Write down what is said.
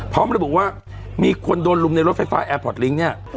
พร้อมระบุว่ามีคนโดนลุมในรถไฟฟ้าแอร์พอร์ตลิงค์เนี่ย